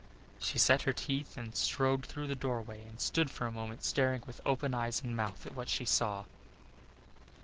She set her teeth and strode through the doorway and stood for a moment staring with open eyes and mouth at what she saw.